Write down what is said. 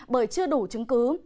bởi chưa đủ chứng cứ